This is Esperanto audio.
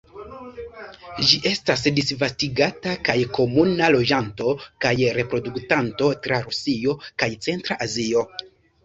Ĝi estas disvastigata kaj komuna loĝanto kaj reproduktanto tra Rusio kaj centra Azio.